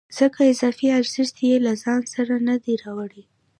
ځکه اضافي ارزښت یې له ځان سره نه دی راوړی